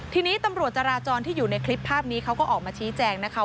ทีนี้ตำรวจจราจรที่อยู่ในคลิปภาพนี้เขาก็ออกมาชี้แจงนะคะ